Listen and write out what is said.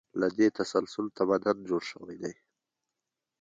له دې تسلسل تمدن جوړ شوی دی.